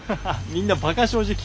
みんなバカ正直。